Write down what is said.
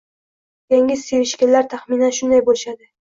Yangi sevishganlar taxminan shunday bo'lishadi